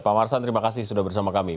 pak marsan terima kasih sudah bersama kami